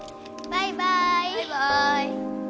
バイバーイ。